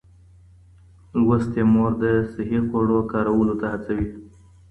لوستې مور د صحي ؛خوړو کارولو ته هڅوي.